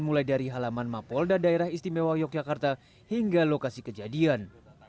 mulai dari halaman mapolda daerah istimewa yogyakarta hingga lokasi kejadian